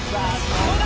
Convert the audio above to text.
どうだ！